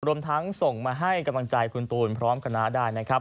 รวมทั้งส่งมาให้กำลังใจคุณตูนพร้อมคณะได้นะครับ